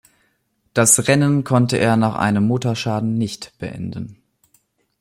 Das Rennen konnte er nach einem Motorschaden nicht beenden.